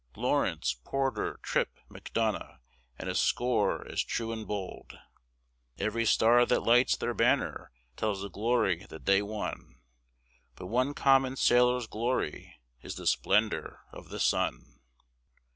Lawrence, Porter, Trippe, Macdonough, and a score as true and bold; Every star that lights their banner tells the glory that they won; But one common sailor's glory is the splendor of the sun.